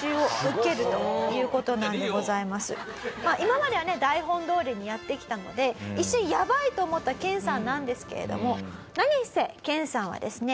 今まではね台本どおりにやってきたので一瞬やばいと思った研さんなんですけれども何せ研さんはですね